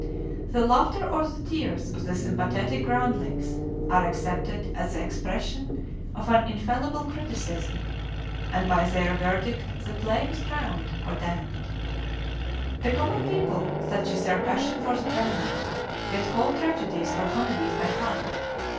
The laughter or the tears of the sympathetic groundlings are accepted as the expression of an infallible criticism, and by their verdict the play is crowned or damned. The common people, such is their passion for the drama, get whole tragedies or comedies "by heart."